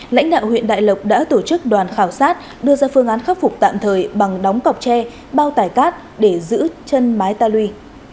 lãnh đạo huyện đại lộc đã tổ chức đoàn khảo sát đưa ra phương án khắc phục tạm thời bằng đóng cọc tre bao tải cát để giữ chân mái ta lui